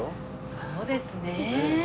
そうですね。